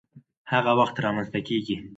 هغه وخت رامنځته کيږي،